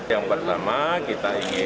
yang pertama kita ingin